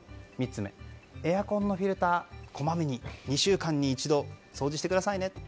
３つ目はエアコンのフィルターこまめに、２週間に一度掃除してくださいねと。